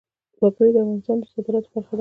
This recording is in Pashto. وګړي د افغانستان د صادراتو برخه ده.